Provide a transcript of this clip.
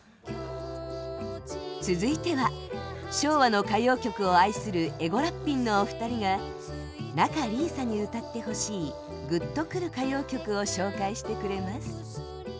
続いては昭和の歌謡曲を愛するＥＧＯ−ＷＲＡＰＰＩＮ’のお二人が仲里依紗に歌ってほしいグッと来る歌謡曲を紹介してくれます。